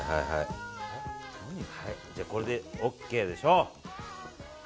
これでＯＫでしょう。